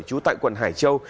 chú tại quận hải châu